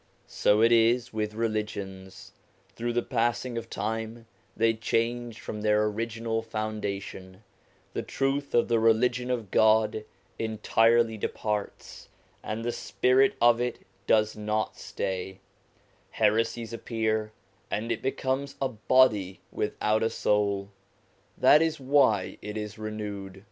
So it is with religions ; through the passing of time they change from their original foundation, the truth of the Religion of God entirely departs, and the spirit of it does not stay; heresies appear, and it becomes a body without a soul. That is why it is renewed.